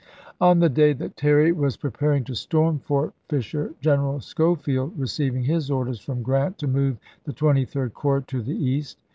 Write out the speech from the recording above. On the day that Terry was preparing to storm Jan. H,i865. Fort Fisher General Schofield received his orders from Grant to move the Twenty third Corps to the east.